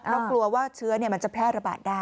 แล้วกลัวว่าเชื้อมันจะแพร่ระบาดได้